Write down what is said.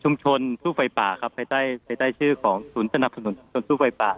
สู้ไฟป่าครับภายใต้ภายใต้ชื่อของศูนย์สนับสนุนชนสู้ไฟป่า